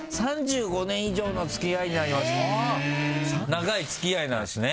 長い付き合いなんですね